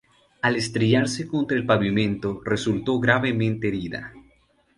Al estrellarse contra el pavimento, resultó gravemente herida.